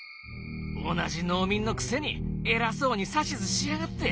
同じ農民のくせに偉そうに指図しやがって！